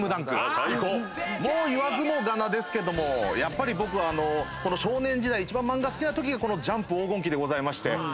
言わずもがなですけどもやっぱり僕この少年時代一番漫画好きなときがこの『ジャンプ』黄金期でございまして。